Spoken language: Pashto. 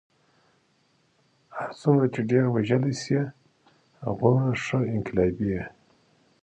هر څومره چې ډېر وژلی شې هغومره ښه انقلابي یې.